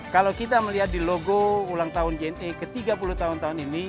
kalau kita melihat di logo ulang tahun jna ke tiga puluh tahun tahun ini